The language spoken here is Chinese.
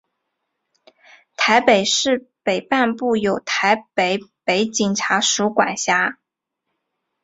台北市北半部由台北北警察署管辖。